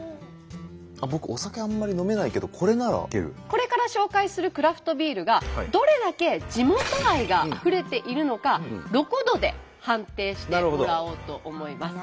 これから紹介するクラフトビールがどれだけ地元愛があふれているのかロコ度で判定してもらおうと思います。